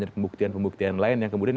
pembuktian pembuktian lain yang kemudian